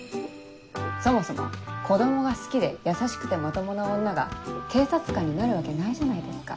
そもそも子供が好きで優しくてまともな女が警察官になるわけないじゃないですか。